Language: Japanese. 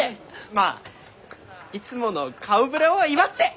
まあいつもの顔ぶれを祝って！